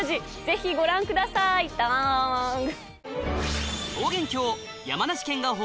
ぜひご覧ください「タング」。